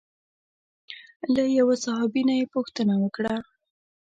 له یوه صحابي نه یې پوښتنه وکړه.